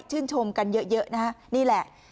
ชมกันเยอะนะฮะนี่แหละ